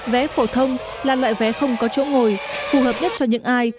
vé phổ thông là loại vé không có chỗ ngồi phù hợp nhất cho những ai